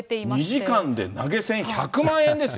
２時間で投げ銭１００万円ですよ。